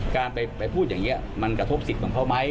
การไปพูดอย่างนี้มันกระทบสิทธิ์ของเขาไหม